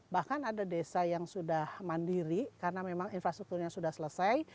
bahkan ada desa yang sudah mandiri karena memang infrastrukturnya sudah selesai